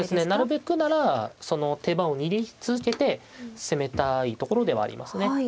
なるべくなら手番を握り続けて攻めたいところではありますね。